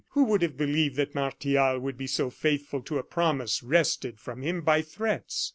Who would have believed that Martial would be so faithful to a promise wrested from him by threats?